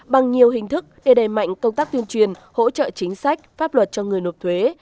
bằng nhiều hình thức để đẩy mạnh công tác tuyên truyền hỗ trợ chính sách pháp luật cho người nộp thuế